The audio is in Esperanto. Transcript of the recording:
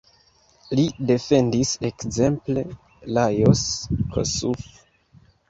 Li defendis ekzemple Lajos Kossuth.